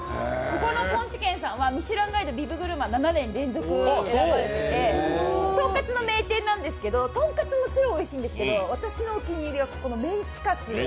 ここのポンチ軒さんは、ミシュランガイド・ビブグルマンさんに７年連続選ばれてて、豚かつの名店なんですけど、とんかつもちろんおいしいんですけど私のお気に入りはメンチカツ。